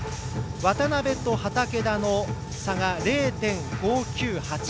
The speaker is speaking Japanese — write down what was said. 渡部と畠田の差が０．５９８。